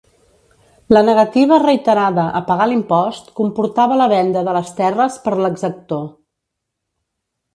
La negativa reiterada a pagar l'impost comportava la venda de les terres per l'exactor.